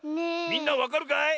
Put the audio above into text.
みんなわかるかい？